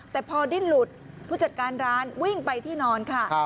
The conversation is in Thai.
แต่พอดิ้นหลุดผู้จัดการร้านวิ่งไปที่นอนค่ะ